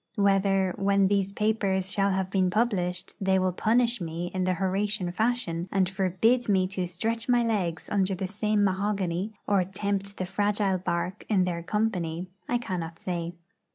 Whether, when these papers shall have been published, they will punish me in the Horatian fashion, and forbid me to stretch my legs under the same mahogany, or tempt the fragile bark in their company, I cannot say.